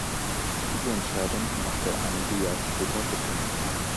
Diese Entscheidung machte er einige Jahre später rückgängig.